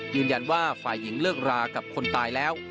ยืนยันว่าฝ่ายหญิงเลิกรากับคนตายแล้ว